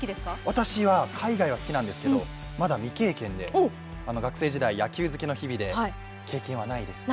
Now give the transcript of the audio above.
私は海外は好きなんですけど、まだ未経験で、学生時代野球漬けの日々で経験はないです。